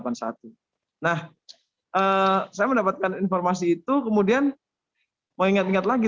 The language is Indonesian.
nah saya mendapatkan informasi itu kemudian mengingat ingat lagi